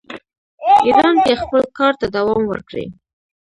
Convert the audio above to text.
ایران کې خپل کار ته دوام ورکړي.